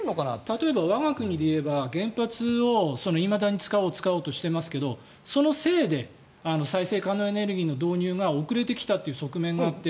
例えば、我が国で言えば原発をいまだに使おうとしてますがそのせいで再生可能エネルギーの導入が遅れてきたという側面があって。